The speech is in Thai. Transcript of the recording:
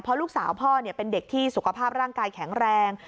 เพราะลูกสาวพ่อเป็นเด็กที่สุขภาพร่างกายแข็งแรง